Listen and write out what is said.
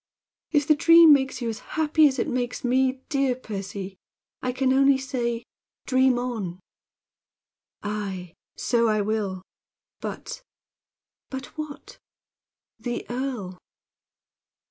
"If the dream makes you as happy as it makes me, dear Percy, I can only say dream on." "Aye! So I will. But " "But what?" "The earl!"